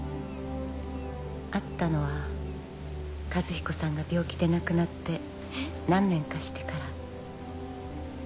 会ったのは和彦さんが病気で亡くなって何年かしてから。